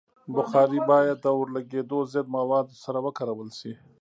بخاري باید د اورلګیدو ضد موادو سره وکارول شي.